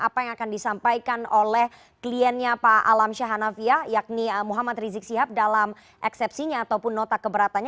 apa yang akan disampaikan oleh kliennya pak alam syah hanafiah yakni muhammad rizik sihab dalam eksepsinya ataupun nota keberatannya